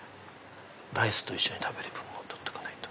ライスと一緒に食べる分も取っとかないと。